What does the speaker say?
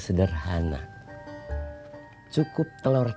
bisa relay aah bahagia nya dan berhati hati